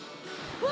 うわ！